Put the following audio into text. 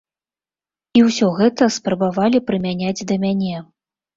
І ўсё гэта спрабавалі прымяняць да мяне.